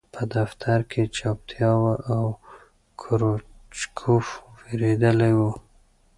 په دفتر کې چوپتیا وه او کروچکوف وېرېدلی و